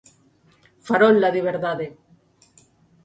Farol da Liberdade.